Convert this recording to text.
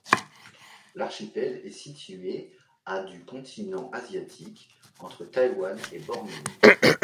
L’archipel est situé à du continent asiatique, entre Taïwan et Bornéo.